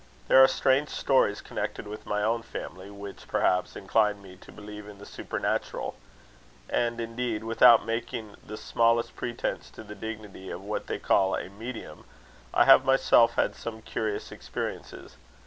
There are strange stories connected with my own family, which, perhaps, incline me to believe in the supernatural; and, indeed, without making the smallest pretence to the dignity of what they call a medium, I have myself had some curious experiences.